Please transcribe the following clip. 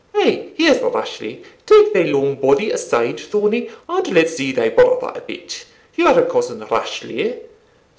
ay, here's Rashleigh take thy long body aside Thornie, and let's see thy brother a bit your cousin Rashleigh.